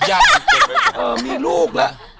อย่าเอาเพราะมีลูกละ